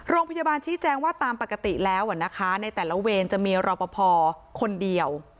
โรงพยาบาลชี้แจงว่าตามปกติแล้วนะคะในแต่ละเวรจะมีรอปภคนเดียว